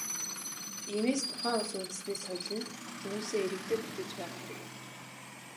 Иймээс, тухайн улс үндэстний соёл нь хүмүүсээ, иргэдээ бүтээж байгаа хэрэг юм.